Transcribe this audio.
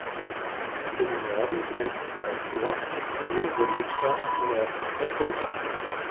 Im Norden grenzt White Rock an den Bundesstaat North Dakota.